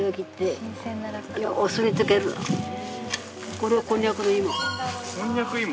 これこんにゃくの芋。